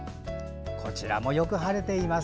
こちらもよく晴れています。